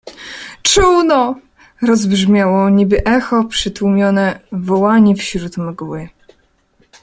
Czółno! — rozbrzmiało niby echo przytłumione wołanie wśród mgły.